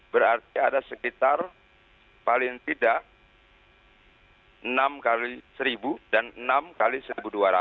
berarti ada sekitar paling tidak enam x satu dan enam x satu dua ratus